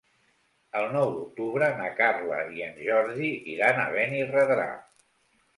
El nou d'octubre na Carla i en Jordi iran a Benirredrà.